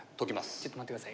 ちょっと待って下さい。